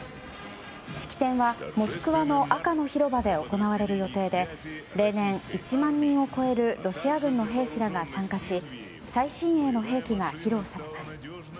式典はモスクワの赤の広場で行われる予定で例年１万人を超えるロシア軍の兵士らが参加し最新鋭の兵器が披露されます。